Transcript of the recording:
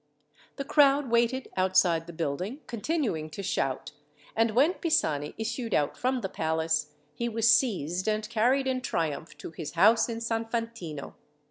The crowd waited outside the building, continuing to shout, and when Pisani issued out from the palace, he was seized and carried in triumph to his house in San Fantino.